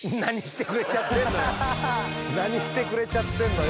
何してくれちゃってんのよ。